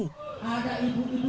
ada ibu ibu yang tidak